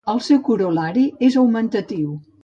El seu corol·lari és l'augmentatiu.